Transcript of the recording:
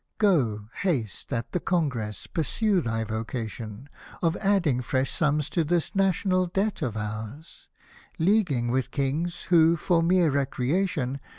Go, haste, at the Congress pursue thy vocation Of adding fresh sums to this National Debt of ours. Leaguing with Kings, who, for mere recreation.